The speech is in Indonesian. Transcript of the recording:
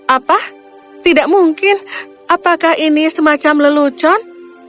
apa tidak mungkin apakah ini semacam lelucon